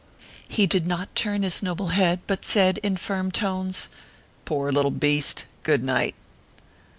He did not turn his noble head, but sa id, in firm tones :" Poor little beast, good night."